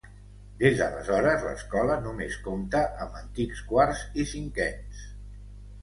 Des d'aleshores, l'escola només compta amb antics quarts i cinquens.